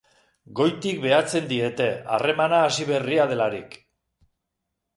Goitik behatzen diete, harremana hasi berria delarik.